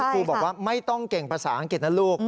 ครูบอกว่าไม่ต้องเก่งภาษาอังกฤษนะลูก